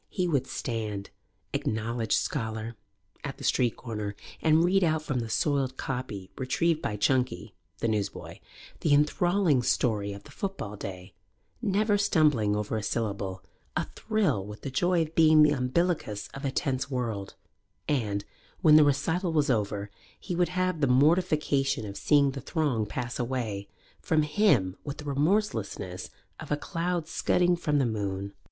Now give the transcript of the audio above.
He would stand, acknowledged scholar, at the street corner and read out from the soiled copy retrieved by Chunky, the newsboy, the enthralling story of the football day, never stumbling over a syllable, athrill with the joy of being the umbilicus of a tense world, and, when the recital was over, he would have the mortification of seeing the throng pass away from him with the remorselessness of a cloud scudding from the moon.